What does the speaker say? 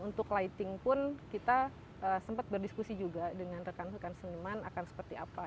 untuk lighting pun kita sempat berdiskusi juga dengan rekan rekan seniman akan seperti apa